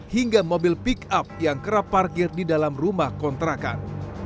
hingga mobil pick up yang kerap parkir di dalam rumah kontrakan